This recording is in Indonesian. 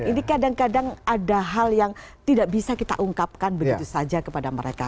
ini kadang kadang ada hal yang tidak bisa kita ungkapkan begitu saja kepada mereka